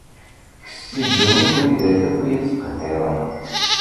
Kkes si ddunit wid akk i iyi-ittqehhiren.